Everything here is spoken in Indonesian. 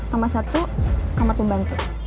tambah satu kamar pembanso